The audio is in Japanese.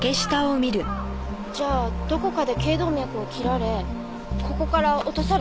じゃあどこかで頸動脈を切られここから落とされた。